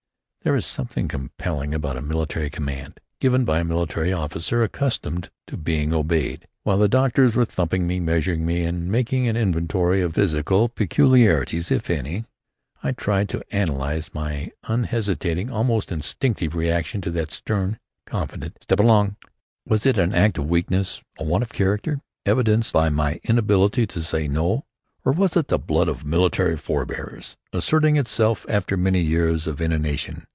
There is something compelling about a military command, given by a military officer accustomed to being obeyed. While the doctors were thumping me, measuring me, and making an inventory of "physical peculiarities, if any," I tried to analyze my unhesitating, almost instinctive reaction to that stern, confident "Step along!" Was it an act of weakness, a want of character, evidenced by my inability to say no? Or was it the blood of military forebears asserting itself after many years of inanition?